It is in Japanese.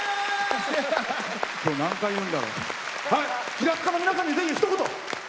平塚の皆さんにぜひ、ひと言。